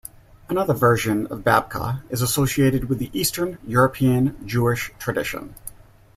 Another version of babka is associated with the Eastern European Jewish tradition.